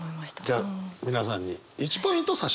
じゃあ皆さんに１ポイント差し上げます。